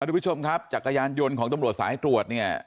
สำหรับลูกผู้ชมครับจักรยานยนต์ของตำลวดสายตรวจเนี่ย